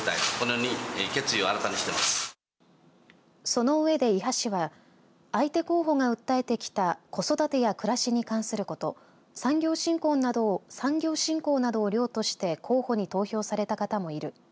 そのうえで伊波氏は相手候補が訴えてきた子育てや暮らしに関すること、産業振興などを了として候補に投票された方もいる。